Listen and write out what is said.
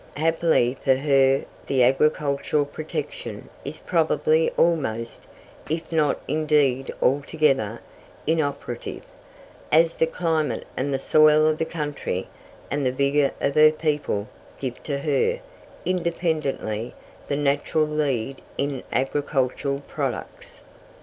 Happily for her the agricultural protection is probably almost, if not indeed altogether, inoperative, as the climate and the soil of the country, and the vigour of her people, give to her, independently, the natural lead in agricultural products.